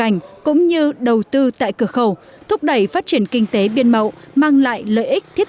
cảnh cũng như đầu tư tại cửa khẩu thúc đẩy phát triển kinh tế biên mậu mang lại lợi ích thiết